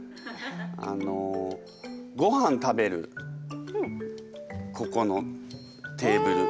あのごはん食べるここのテーブル。